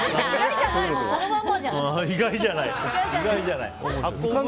意外じゃないもん。